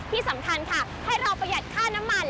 ที่สำคัญค่ะให้เราประหยัดค่าน้ำมัน